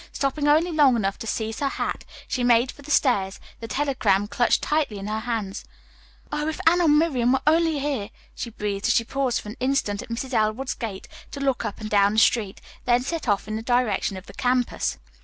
Stopping only long enough to seize her hat, she made for the stairs, the telegram clutched tightly in her hand. "Oh, if Anne or Miriam were only here," she breathed, as she paused for an instant at Mrs. Elwood's gate to look up and down the street, then set off in the direction of the campus.